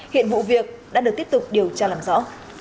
hiện vụ việc đã được tiếp tục điều tra làm rõ